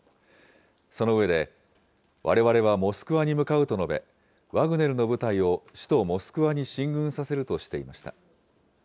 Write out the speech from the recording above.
その上で、われわれはモスクワに向かうと述べ、ワグネルの部隊を首都モスクワに進軍させるとしていました。